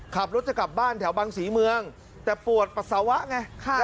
ขับรถจะกลับบ้านแถวบางศรีเมืองแต่ปวดปัสสาวะไง